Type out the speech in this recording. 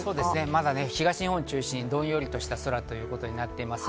まだ東日本を中心にどんよりした空となっています。